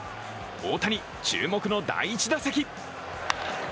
大谷、注目の第１打席。